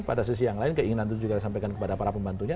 pada sisi yang lain keinginan itu juga disampaikan kepada para pembantunya